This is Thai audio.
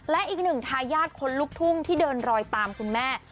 และอีกหนึ่งทายาทคนลุกทุ่งที่เดินรอยตามคุณแม่